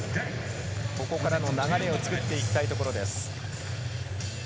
ここからの流れを作っていきたいところです。